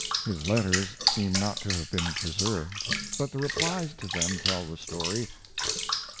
His letters seem not to have been preserved, but the replies to them tell the story.